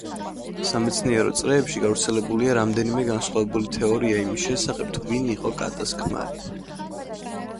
სამეცნიერო წრეებში გავრცელებულია რამდენიმე განსხვავებული თეორია იმის შესახებ თუ ვინ იყო კატას ქმარი.